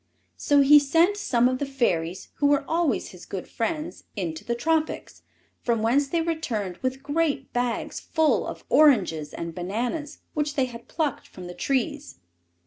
So he sent some of the Fairies, who were always his good friends, into the Tropics, from whence they returned with great bags full of oranges and bananas which they had plucked from the trees.